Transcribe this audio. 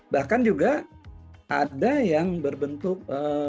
bahkan juga ada yang berbentuk